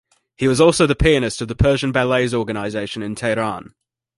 He was also the pianist of the Persian Ballets Organization in Tehran.